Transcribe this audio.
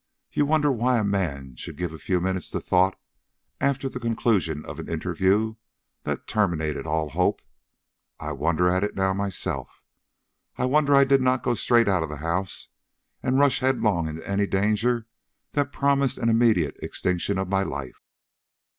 You wonder why a man should give a few minutes to thought after the conclusion of an interview that terminated all hope. I wonder at it now myself. I wonder I did not go straight out of the house and rush headlong into any danger that promised an immediate extinction of my life."